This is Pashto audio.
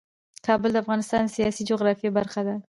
کابل د افغانستان د سیاسي جغرافیه برخه ده.